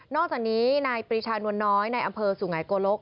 อกจากนี้นายปรีชานวลน้อยในอำเภอสุไงโกลก